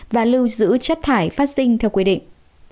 và lưu giữ chất thải phát sinh theo quy định